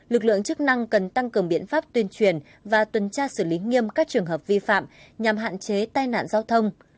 lực lượng chức năng cần tăng cường biện pháp tuyên truyền và tuần tra xử lý nghiêm các trường hợp vi phạm nhằm hạn chế tai nạn giao thông